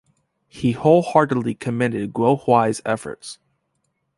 He wholeheartedly commended Guo Huai's efforts.